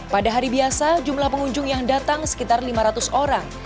pada hari biasa jumlah pengunjung yang datang sekitar lima ratus orang